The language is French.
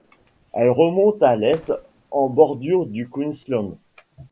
Elle remonte à l’est en bordure du Queensland.